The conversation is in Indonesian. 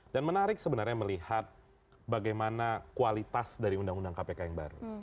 dan menarik sebenarnya melihat bagaimana kualitas dari undang undang kpk yang baru